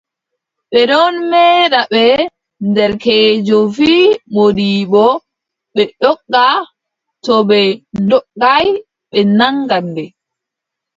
Ɓe ɗon meeda ɓe, derkeejo wii moodibbo, ɓe ndogga, to ɓe ndoggaay ɓe naŋgan ɓe.